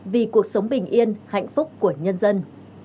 vì cuộc sống bình yên hạnh phúc của nhân dân